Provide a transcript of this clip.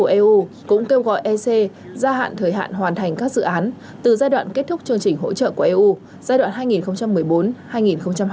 eu cũng kêu gọi ec gia hạn thời hạn hoàn thành các dự án từ giai đoạn kết thúc chương trình hỗ trợ của eu giai đoạn hai nghìn một mươi bốn hai nghìn hai mươi